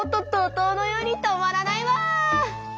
とうのように止まらないわ！